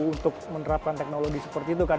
untuk menerapkan teknologi seperti itu kan